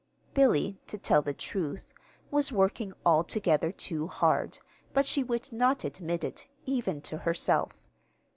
Billy, to tell the truth, was working altogether too hard; but she would not admit it, even to herself.